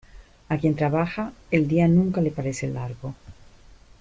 A quien trabaja, el día nunca le parece largo.